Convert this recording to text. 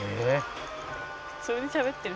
「普通にしゃべってる」